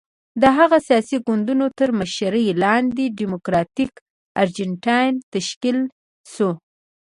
د هغه سیاسي ګوند تر مشرۍ لاندې ډیموکراتیک ارجنټاین تشکیل شو.